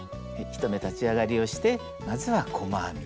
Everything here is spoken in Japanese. １目立ち上がりをしてまずは細編み。